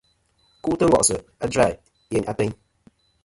Ku'tɨ ngòsɨ a djuyeyn etm.